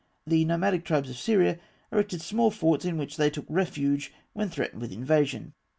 The nomadic tribes of Syria erected small forts in which they took refuge when threatened with invasion (fig.